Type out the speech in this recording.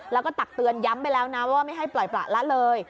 แล้วก็ตักเตือนย้ำไปแล้วนะว่าไม่ให้ปล่อยประละเลย